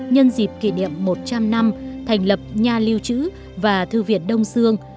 nhân dịp kỷ niệm một trăm linh năm thành lập nhà liêu chữ và thư viện đông dương